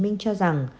trong sáu tháng đầu năm